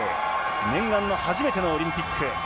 念願の初めてのオリンピック。